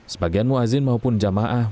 sebagian muazzin maupun jamaah